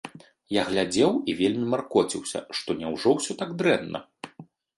Я глядзеў і вельмі маркоціўся, што няўжо ўсё так дрэнна?